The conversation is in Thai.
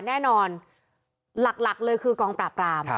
แน่นอนหลักเลยคือกองปราบราม